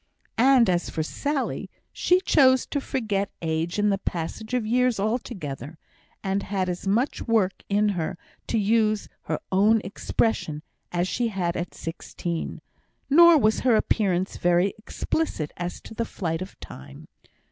And as for Sally, she chose to forget age and the passage of years altogether, and had as much work in her, to use her own expression, as she had at sixteen; nor was her appearance very explicit as to the flight of time.